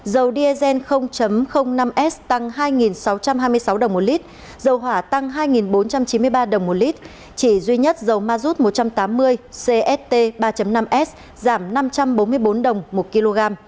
dầu diesel năm s tăng hai sáu trăm hai mươi sáu đồng một lít dầu hỏa tăng hai bốn trăm chín mươi ba đồng một lít chỉ duy nhất dầu ma rút một trăm tám mươi cst ba năm s giảm năm trăm bốn mươi bốn đồng một kg